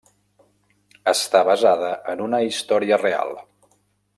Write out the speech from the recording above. Està basada en una història real.